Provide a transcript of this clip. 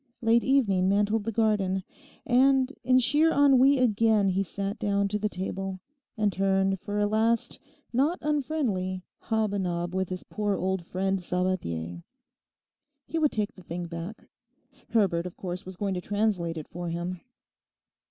Late evening mantled the garden; and in sheer ennui again he sat down to the table, and turned for a last not unfriendly hob a nob with his poor old friend Sabathier. He would take the thing back. Herbert, of course, was going to translate it for him.